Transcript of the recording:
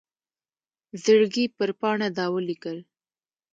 زړګي پر پاڼــه دا ولـيكل